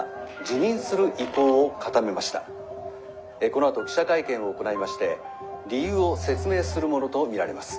このあと記者会見を行いまして理由を説明するものと見られます」。